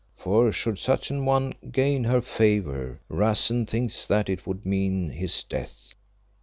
For should such an one gain her favour, Rassen thinks that it would mean his death."